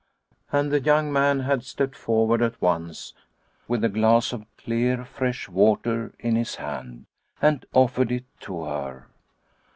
And the young man had stepped forward at once with a glass of clear fresh water in his hand, and offered it to her.